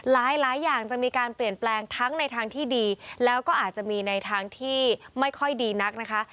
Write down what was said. หลายอย่างจะมีการเปลี่ยนแปลงทั้งในทางที่ดีแล้วก็อาจจะมีในทางที่ไม่ค่อยดีนักนะคะ